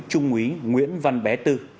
trung úy nguyễn văn bé tư